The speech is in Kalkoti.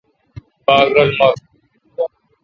باگ رل مُر۔